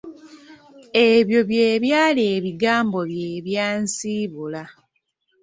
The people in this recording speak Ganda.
Ebyo bye byali ebigambo bye ebyansiibula.